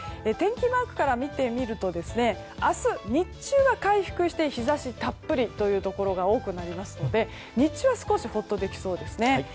天気マークから見てみると明日、日中は回復して日差しがたっぷりというところが多くなりますので日中は少しほっとできそうです。